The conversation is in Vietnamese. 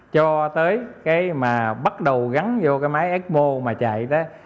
cho tới cái mà bắt đầu gắn vô cái máy expo mà chạy đó